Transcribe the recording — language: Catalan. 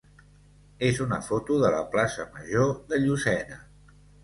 és una foto de la plaça major de Llucena.